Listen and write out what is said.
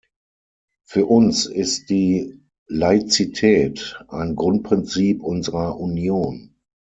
Für uns ist die Laizität ein Grundprinzip unserer Union.